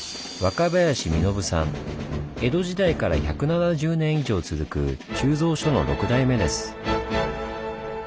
江戸時代から１７０年以上続く鋳造所の６代目です。